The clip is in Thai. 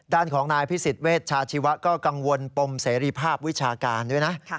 ด้านของนายพิสิทธิเวชชาชีวะก็กังวลปมเสรีภาพวิชาการด้วยนะ